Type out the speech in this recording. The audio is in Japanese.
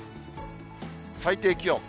最低気温。